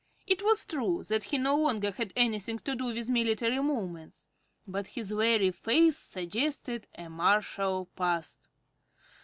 It was true that he no longer had anything to do with military movements, but his very face suggested a martial past.